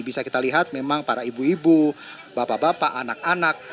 bisa kita lihat memang para ibu ibu bapak bapak anak anak